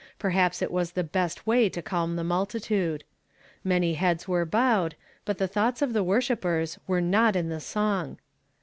Perhaps it was the best way to calm the multitude. Many heads were bowed, but the thoughts of the woi'shi[)pers were not in the song.